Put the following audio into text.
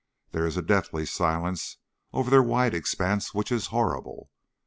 There is a deathly silence over their wide expanse which is horrible.